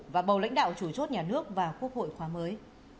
và bầu lãnh đạo chủ chốt nhà nước và quốc hội khóa mới